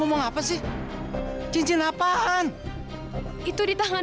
cuman jahat tuh bapak saya mohon pak itu cincin yang